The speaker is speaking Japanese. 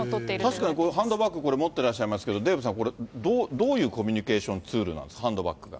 確かにこれ、ハンドバッグ、これ持ってらっしゃいますけど、デーブさん、これ、どういうコミュニケーションツールなんですか、ハンドバッグが。